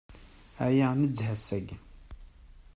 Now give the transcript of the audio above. Ɛyiɣ nezzeh ass-agi.